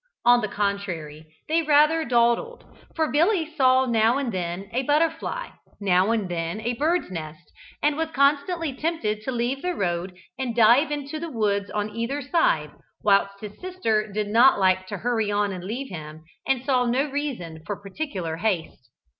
On the contrary, they rather dawdled, for Billy saw now and then a butterfly, now and then a birds' nest, and was constantly tempted to leave the road and dive into the woods on either side, whilst his sister did not like to hurry on and leave him, and saw no reason for particular haste.